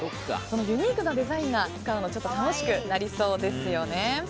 ユニークなデザインが使うの楽しくなりそうですよね。